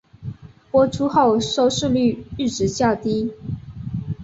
播出后收视率一直较低。